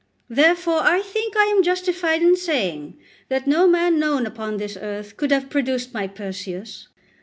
Therefore I think I am justified in saying that no man known upon this earth could have produced my Perseus.